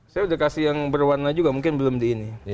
saya sudah kasih yang berwarna juga mungkin belum di ini